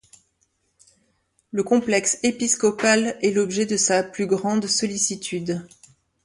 Le complexe épiscopal est l'objet de sa plus grande sollicitude.